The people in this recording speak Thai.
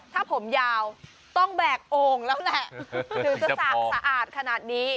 ถ้าผมยาวต้องแบกโอ่งแล้วแหละถึงจะสะอาดขนาดนี้